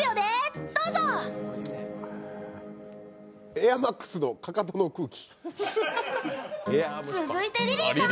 エアマックスのかかとの空気。